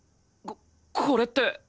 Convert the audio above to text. ここれって。